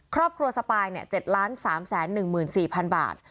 ครอบครัวสปาย๗๓๑๔๐๐๐บาท